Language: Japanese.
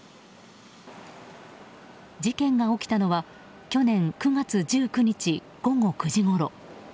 事件が起きたのは去年９月１９日午後９時ごろ。